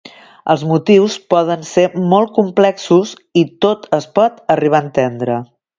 Els motius poden ser molt complexos i tot es pot arribar a entendre.